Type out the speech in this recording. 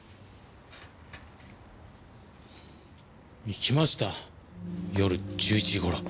行きました夜１１時頃。